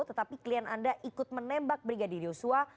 tetapi klien anda ikut menembak brigadir yosua